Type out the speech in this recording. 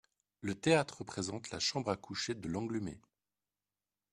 Le théâtre représente la chambre à coucher de Lenglumé.